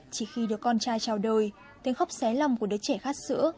chỉ khi được con trai trao đôi tiếng khóc xé lòng của đứa trẻ khát sữa